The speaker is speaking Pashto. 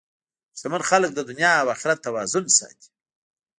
شتمن خلک د دنیا او اخرت توازن ساتي.